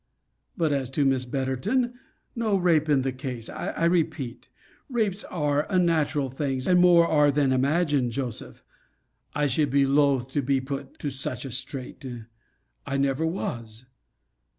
But, as to Miss Betterton no rape in the case, I repeat: rapes are unnatural things, and more are than are imagined, Joseph. I should be loth to be put to such a streight; I never was.